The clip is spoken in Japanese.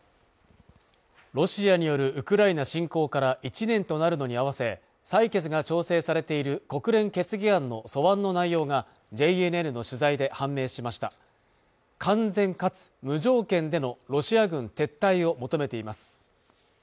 ロシアによるウクライナ侵攻から１年となるのに合わせ採決が調整されている国連決議案の素案の内容がＪＮＮの取材で判明しました完全かつ無条件でのロシア軍撤退を求めています